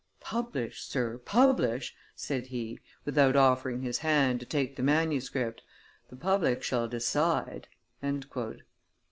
"Publish, sir, publish," said he, without offering his hand to take the manuscript; "the public shall decide."